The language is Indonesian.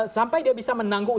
sampai dia bisa menangguh